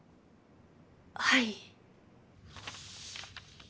はい。